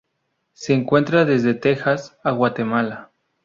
Se encuentra desde Texas a Guatemala.